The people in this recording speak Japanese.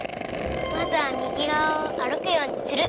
まずはみぎがわをあるくようにする。